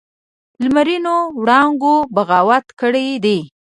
لمرینو وړانګو بغاوت کړی دی